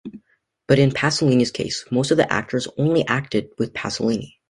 But in Pasolini's case, most of the actors "only acted with Pasolini".